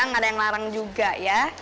nggak ada yang larang juga ya